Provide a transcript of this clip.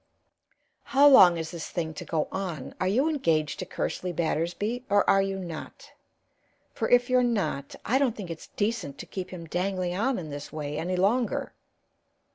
"How long is this thing to go on? Are you engaged to Kersley Battersby, or are you not? For if you're not, I don't think it's decent to keep him dangling on in this way any longer."